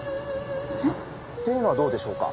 えっ？っていうのはどうでしょうか？